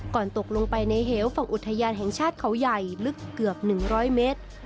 ตกลงไปในเหวฝั่งอุทยานแห่งชาติเขาใหญ่ลึกเกือบ๑๐๐เมตร